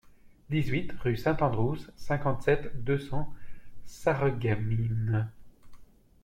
dix-huit rue St Andrews, cinquante-sept, deux cents, Sarreguemines